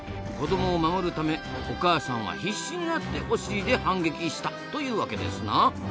子どもを守るためお母さんは必死になっておしりで反撃したというわけですな。